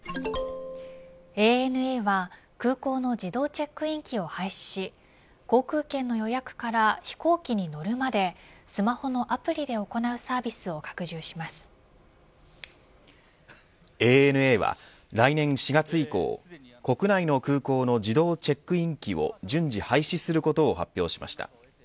ＡＮＡは空港の自動チェックイン機を廃止し航空券の予約から飛行機に乗るまでスマホのアプリで行うサービスをＡＮＡは来年４月以降国内の空港の自動チェックイン機を順次廃止することを発表しました。